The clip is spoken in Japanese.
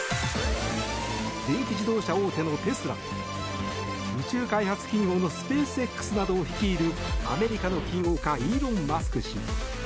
電気自動車大手のテスラ宇宙開発企業のスペースＸなどを率いるアメリカの起業家イーロン・マスク氏。